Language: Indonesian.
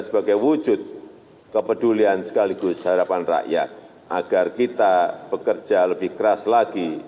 sebagai wujud kepedulian sekaligus harapan rakyat agar kita bekerja lebih keras lagi